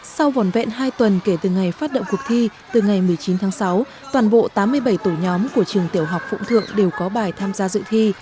sau vòn vẹn hai tuần kể từ ngày phát động cuộc thi từ ngày một mươi chín tháng sáu toàn bộ tám mươi bảy tổ nhóm của trường tiểu học phụng thượng đều có bài tham gia dự thi